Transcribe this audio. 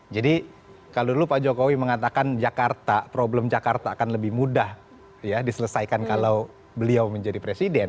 jadi kalau dulu pak jokowi mengatakan jakarta problem jakarta akan lebih mudah ya diselesaikan kalau beliau menjadi presiden